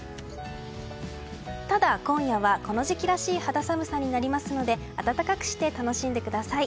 ただ今夜はこの時期らしい肌寒さになるので暖かくして楽しんでください。